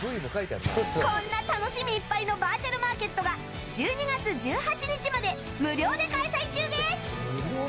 こんな楽しみいっぱいのバーチャルマーケットが１２月１８日まで無料で開催中です。